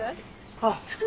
あっ。